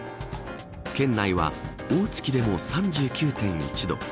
県内は、大月でも３９．１度。